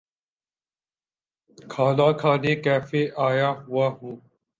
کھانا کھانے کیفے آیا ہوا ہوں۔